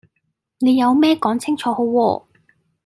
你有咩講清楚好喎